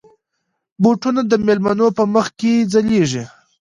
بوټونه د مېلمنو په مخ کې ځلېږي.